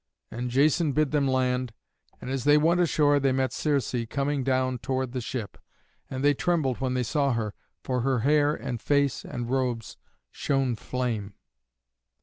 And Jason bid them land, and as they went ashore they met Circe coming down toward the ship, and they trembled when they saw her, for her hair and face and robes shone flame.